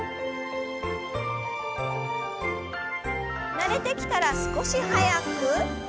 慣れてきたら少し速く。